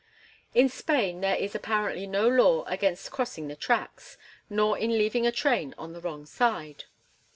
In Spain there is apparently no law against crossing the tracks, nor in leaving a train on the wrong side.